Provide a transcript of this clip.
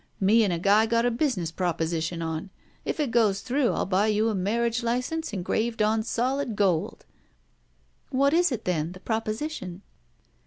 Me and a guy got a business proposition on. If it goes through, I'll buy you a marriage license engraved on solid gold." What is it, then, the proposition?"